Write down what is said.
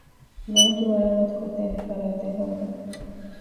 ލޯންޗް މަރާމާތު ކޮށްދޭނެ ފަރާތެއް ހޯދުން